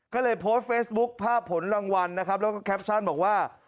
ก็เลยโพสต์เฟซบุ๊คภาพผลรางวัลนะครับแล้วก็แคปชั่นบอกว่า